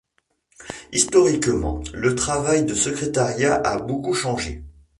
Historiquement, le travail de secrétariat a beaucoup changé.